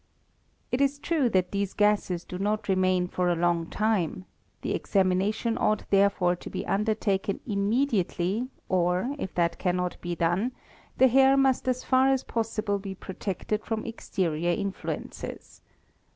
It is true that these gases do not remain for a long time; the examination ought therefore to be undertaken immediately or, if that cannot be done, the hair must as far as possible be protected from exterior 4 influences.